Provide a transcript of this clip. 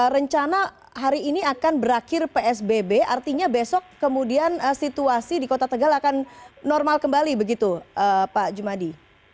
rencana hari ini akan berakhir psbb artinya besok kemudian situasi di kota tegal akan normal kembali begitu pak jumadi